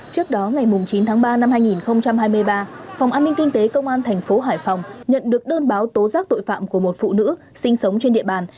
trước đó ngày chín tháng ba năm hai nghìn hai mươi ba phòng an ninh kinh tế công an thành phố hải phòng nhận được đơn báo tố giác tội phạm của một phụ nữ sinh sống trên địa bàn